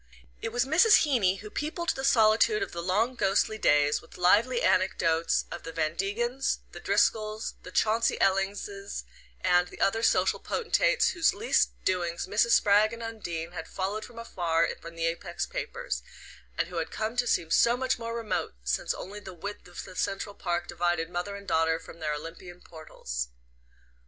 It was Mrs. Heeny who peopled the solitude of the long ghostly days with lively anecdotes of the Van Degens, the Driscolls, the Chauncey Ellings and the other social potentates whose least doings Mrs. Spragg and Undine had followed from afar in the Apex papers, and who had come to seem so much more remote since only the width of the Central Park divided mother and daughter from their Olympian portals.